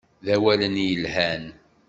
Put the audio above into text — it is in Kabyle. D awalen i yelhan.